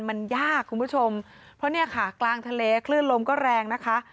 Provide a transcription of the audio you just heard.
มันยากคุณผู้ชมเพราะเนี่ยค่ะกลางทะเลคลื่นลมก็แรงนะคะ